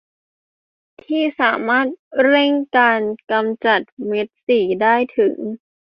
ที่สามารถเร่งการกำจัดเม็ดสีได้ถึง